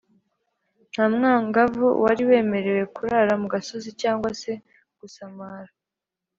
nta mwangavu wari wemerewe kurara mu gasozi cyangwa se gusamara.